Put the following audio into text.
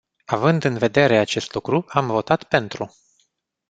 Având în vedere acest lucru, am votat pentru.